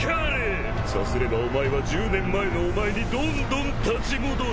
さすればお前は１０年前のお前にどんどん立ち戻る！